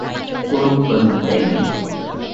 Quân bừng tỉnh